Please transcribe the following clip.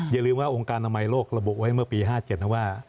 อย่าลืมว่าองค์การอนามัยโลกระบุไว้เมื่อปี๕๗นะว่า